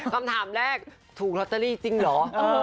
คำถามแรกถูกลอตเตอรี่จริงเหรอ